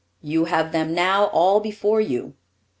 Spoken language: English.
You have them now all before you.